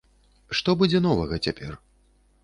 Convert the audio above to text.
Што будзе новага цяпер?